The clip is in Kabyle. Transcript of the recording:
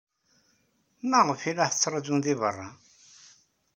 Maɣef ay la ttṛajun deg beṛṛa?